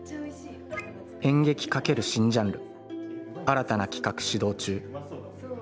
『演劇×新ジャンル、新たな企画始動中』。